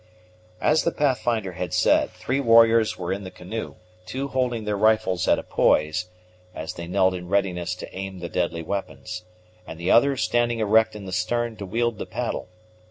As the Pathfinder had said, three warriors were in the canoe, two holding their rifles at a poise, as they knelt in readiness to aim the deadly weapons, and the other standing erect in the stern to wield the paddle.